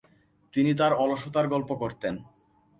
তিনি তার অলসতার গল্প করতেন।